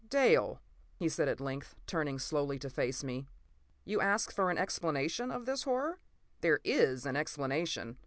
p> "Dale," he said at length, turning slowly to face me, "you ask for an explanation of this horror? There is an explanation.